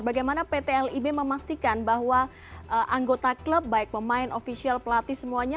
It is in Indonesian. bagaimana pt lib memastikan bahwa anggota klub baik pemain ofisial pelatih semuanya